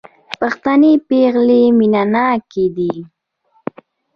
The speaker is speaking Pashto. پښتنې پېغلې مينه ناکه دي